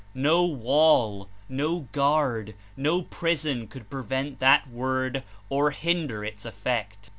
No wall, no guard, no prison could prevent that Word or hinder its effect.